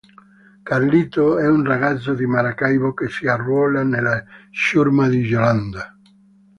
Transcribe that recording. Carlito; è un ragazzo di Maracaibo che si arruola nella ciurma di Jolanda.